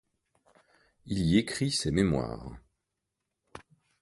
Il y écrit ses Mémoires.